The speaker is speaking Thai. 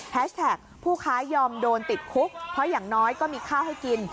แท็กผู้ค้ายอมโดนติดคุกเพราะอย่างน้อยก็มีข้าวให้กิน